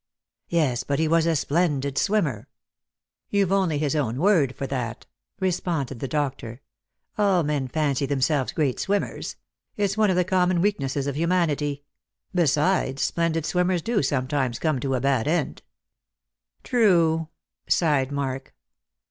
" Yes, but he was a splendid swimmer." " You've only his own word for that," responded the doctor. " All men fancy themselves great swimmers. It's one of the common weaknesses of humanity. Besides, splendid swimmers do sometimes come to a bad end." " True," sighed Mark.